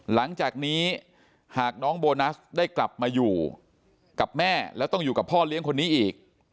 หลังจากนี้หากน้องโบนัสได้กลับมาอยู่กับแม่แล้วต้องอยู่กับพ่อเลี้ยงคนนี้อีก